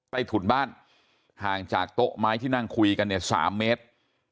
ถุนบ้านห่างจากโต๊ะไม้ที่นั่งคุยกันเนี่ย๓เมตร